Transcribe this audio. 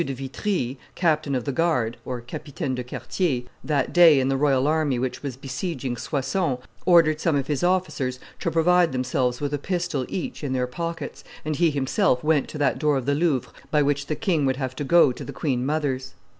de Vitry, captain of the guard (capitaine de quartier) that day in the royal army which was besieging Soissons, ordered some of his officers to provide themselves with a pistol each in their pockets, and he himself went to that door of the Louvre by which the king would have to go to the queenmother's.